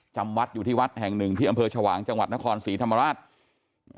จำวัดอยู่ที่วัดแห่งหนึ่งที่อำเภอชวางจังหวัดนครศรีธรรมราช